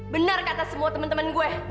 bener kata semua temen temen gue